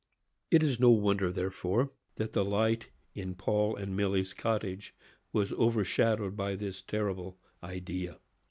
It is no wonder, therefore, that the light in Paul and Milly's cottage was overshadowed by this terrible idea.